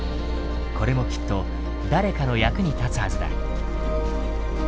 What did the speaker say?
これもきっと誰かの役に立つはずだ。